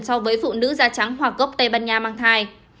so với phụ nữ da trắng hoàng gốc tây ban nha mang thai